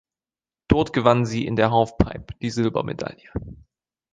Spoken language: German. Dort gewann sie in der Halfpipe die Silbermedaille.